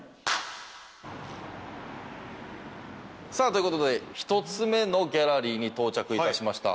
ということで１つ目のギャラリーに到着いたしました。